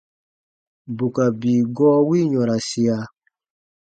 Bù ka bii gɔɔ wi yɔ̃rasia.